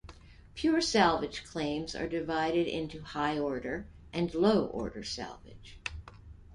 Pure salvage claims are divided into "high-order" and "low-order" salvage.